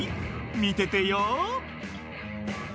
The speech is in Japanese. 見ててよ」